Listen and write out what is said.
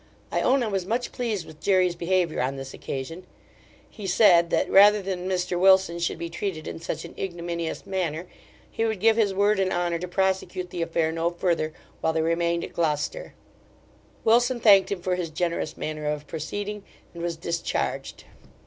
I own I was much pleased with Jery's behaviour on this occasion: he said, that rather than Mr Wilson should be treated in such an ignominious manner, he would give his word and honour to prosecute the affair no further while they remained at Gloucester Wilson thanked him for his generous manner of proceeding, and was discharged.